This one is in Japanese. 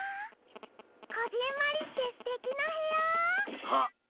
こぢんまりしてすてきなへや！